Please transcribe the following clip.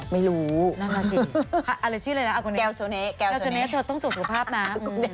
ไม่รู้นั่นแหละสิอะไรชื่อเลยนะแก้วสวะเน๊ะแก้วสวะเน๊ะเธอต้องตรวจสุขภาพนะ